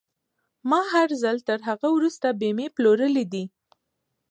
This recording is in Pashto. ما هر ځل تر هغه وروسته بيمې پلورلې دي.